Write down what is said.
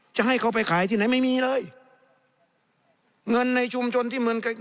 จะให้เขาไปขายที่ไหนไม่มีเลยเงินในชุมชนที่เหมือนกับ